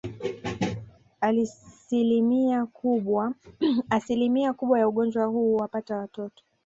Asilimia kubwa ya ugonjwa huu huwapata watoto